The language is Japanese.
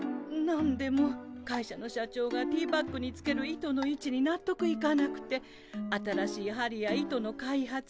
なんでも会社の社長がティーバッグにつける糸のいちになっとくいかなくて新しいはりや糸の開発